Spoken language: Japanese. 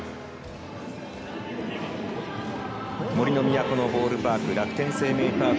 杜の都のボールパーク楽天生命パーク